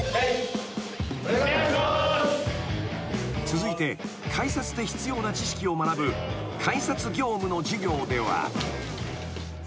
［続いて改札で必要な知識を学ぶ改札業務の授業では］